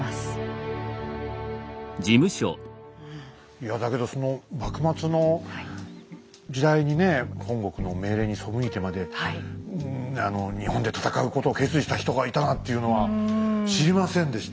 いやだけどその幕末の時代にね本国の命令に背いてまで日本で戦うことを決意した人がいたなんていうのは知りませんでした。